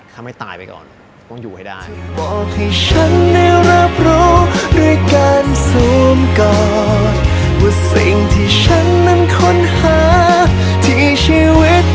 ทำให้ตายไปก่อนต้องอยู่ให้ได้